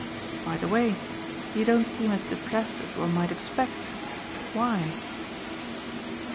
By the way you don't seem as depressed as one might expect. Why?"